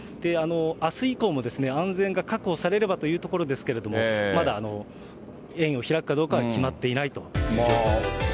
あす以降も、安全が確保されればというところですけど、まだ園を開くかどうかは決まっていないという状況です。